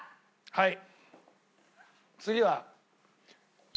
はい。